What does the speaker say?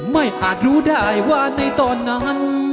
อาจรู้ได้ว่าในตอนนั้น